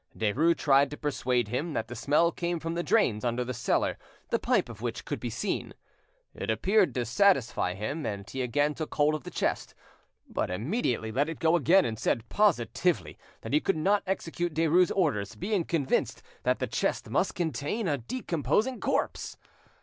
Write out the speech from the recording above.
Derues tried to persuade him that the smell came from drains under the cellar, the pipe of which could be seen. It appeared to satisfy him, and he again took hold of the chest, but immediately let it go again, and said positively that he could not execute Derues' orders, being convinced that the chest must contain a decomposing corpse.